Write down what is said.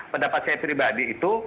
pendapat saya pribadi itu